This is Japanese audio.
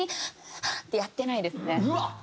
ハッ！ってやってないですね。